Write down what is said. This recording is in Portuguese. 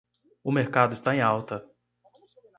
O mercado está em alta.